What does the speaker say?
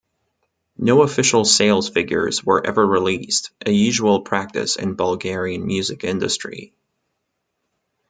No official sales figures were ever released, a usual practice in Bulgarian music industry.